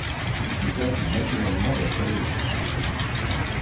Ils se gardent naturellement d'affirmer.